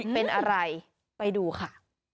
เป็นอะไรไปดูค่ะ